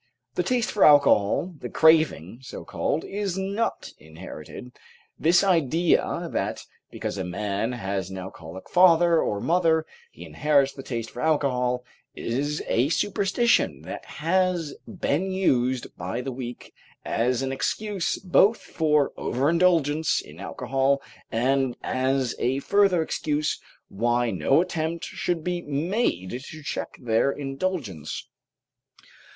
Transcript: The taste for alcohol, the craving, so called, is not inherited. This idea that, because a man has an alcoholic father or mother, he inherits the taste for alcohol, is a superstition that has been used by the weak as an excuse both for overindulgence in alcohol, and as a further excuse why no attempt should be made to check their indulgence.